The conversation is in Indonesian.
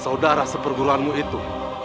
saudara seperguruanmu itu